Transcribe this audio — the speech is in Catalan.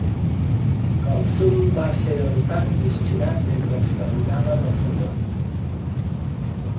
Gongsun va ser derrotat i assassinat mentre exterminaven el seu clan.